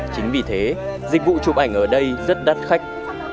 chính vì thế dịch vụ chụp ảnh ở đây rất đắt khách